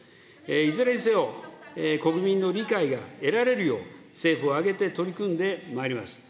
いずれにせよ、国民の理解が得られるよう、政府を挙げて取り組んでまいります。